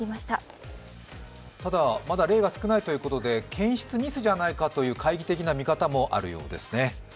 ただまだ例が少ないということで、検出ミスではないかという懐疑的な見方もあるようですね。